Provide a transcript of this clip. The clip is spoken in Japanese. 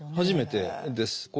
初めてです。